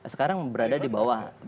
sekarang berada di bawah